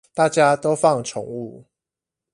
大家都放寵物